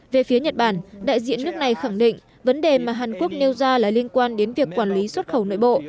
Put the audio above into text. về phía nhật bản đại diện nước này khẳng định vấn đề mà hàn quốc nêu ra là liên quan đến việc quản lý xuất khẩu nội bộ